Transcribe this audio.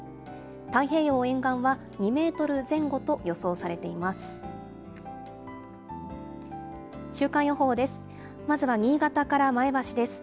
太平洋沿岸は２メートル前後と予想されています。